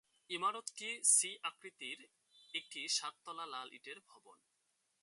ইমারতটি সি-আকৃতির একটি সাত তলা লাল ইটের ভবন।